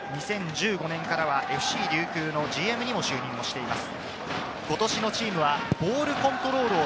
２０１５年からはＦＣ琉球のＧＭにも就任しています。